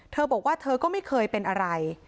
เธอบอกว่าเธอก็ไม่เคยเป็นอะไร